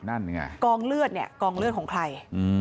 นั่นไงกองเลือดเนี่ยกองเลือดของใคร